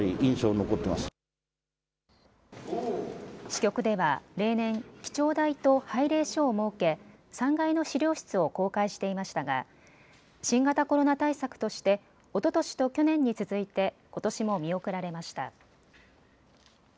支局では例年、記帳台と拝礼所を設け３階の資料室を公開していましたが新型コロナ対策としておととしと去年に続いてことしも見送られました。